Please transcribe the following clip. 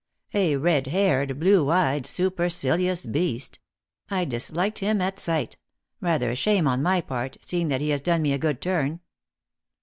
"A red haired, blue eyed, supercilious beast. I disliked him at sight. Rather a shame on my part, seeing that he has done me a good turn."